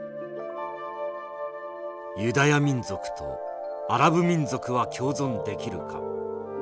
「ユダヤ民族とアラブ民族は共存できるか。